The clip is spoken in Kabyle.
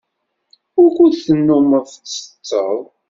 Wukud tennummeḍ tsetteḍ?